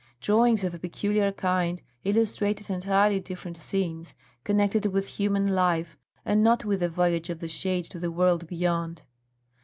Drawings of a peculiar kind illustrated entirely different scenes connected with human life, and not with the voyage of the shade to the world beyond.